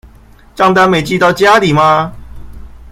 帳單沒寄到家裡嗎？